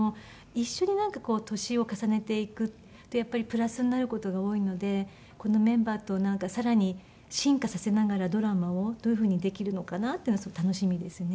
一緒に年を重ねていくとやっぱりプラスになる事が多いのでこのメンバーとさらに進化させながらドラマをどういうふうにできるのかなっていうのがすごく楽しみですね。